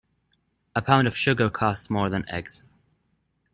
A pound of sugar costs more than eggs.